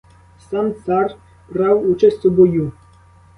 Сам цар брав участь у бою.